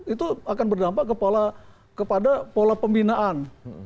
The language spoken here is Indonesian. itu akan berdampak kepada pola pembinaan